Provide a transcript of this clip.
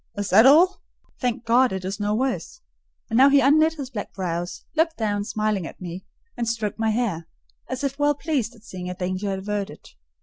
"Is that all? Thank God it is no worse!" And now he unknit his black brows; looked down, smiling at me, and stroked my hair, as if well pleased at seeing a danger averted.